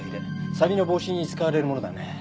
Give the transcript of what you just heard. さびの防止に使われるものだね。